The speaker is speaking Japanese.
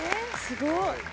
すごい。